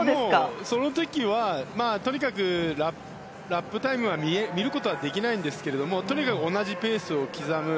その時はラップタイムを見ることはできないんですけれどもとにかく同じペースを刻む。